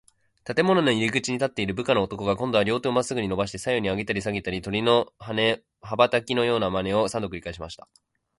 建物の入口に立っている部下の男が、こんどは両手をまっすぐにのばして、左右にあげたりさげたり、鳥の羽ばたきのようなまねを、三度くりかえしました。